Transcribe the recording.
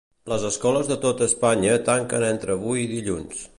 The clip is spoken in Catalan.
Les escoles de tota Espanya tanquen entre avui i dilluns.